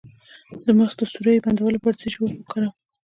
د مخ د سوریو د بندولو لپاره د څه شي اوبه وکاروم؟